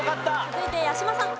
続いて八嶋さん。